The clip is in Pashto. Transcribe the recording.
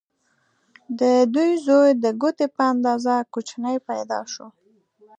د دیو زوی د ګوتې په اندازه کوچنی پیدا شو.